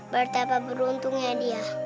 berapa beruntungnya dia